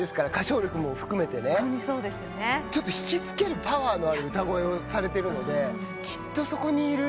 引き付けるパワーのある歌声をされてるのできっとそこにいる。